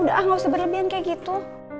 enggak usah berlebihan kayak gitu